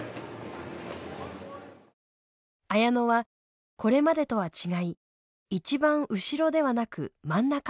綾乃はこれまでとは違い一番後ろではなく真ん中に入った。